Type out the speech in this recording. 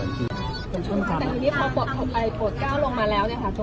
แต่ทีนี้พอโบสถ์๙ลงมาแล้วนะคะ